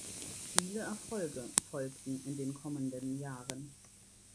Viele Erfolge folgten in den kommenden Jahren.